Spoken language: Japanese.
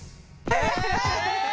え？